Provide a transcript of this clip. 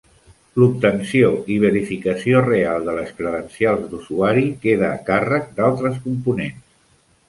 L'obtenció i verificació real de les credencials d'usuari queda a càrrec d'altres components.